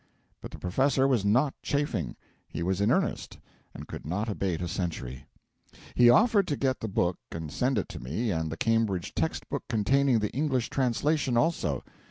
But the professor was not chaffing: he was in earnest, and could not abate a century. He offered to get the book and send it to me and the Cambridge text book containing the English translation also.